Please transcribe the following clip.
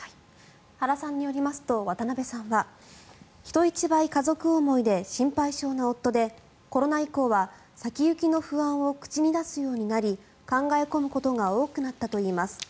原さんによりますと渡辺さんは人一倍家族思いで心配性の夫でコロナ以降は先行きの不安を口に出すようになり考え込むことが多くなったといいます。